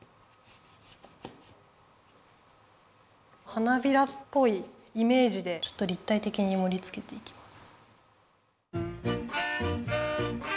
花びらっぽいイメージでちょっとりったいてきにもりつけていきます。